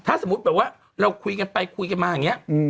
ถ้าสมมุติแบบว่าเราคุยกันไปคุยกันมาอย่างนี้